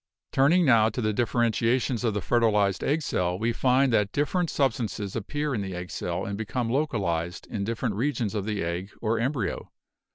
"Turning now to the differentiations of the fertilized egg cell, we find that different substances appear in the egg cell and become localized in different regions of the egg or embryo.